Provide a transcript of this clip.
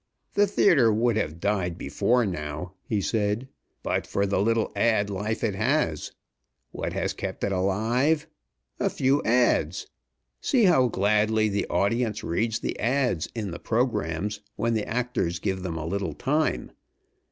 "The theatre would have died before now," he said, "but for the little ad. life it has. What has kept it alive? A few ads.! See how gladly the audience reads the ads. in the programmes when the actors give them a little time.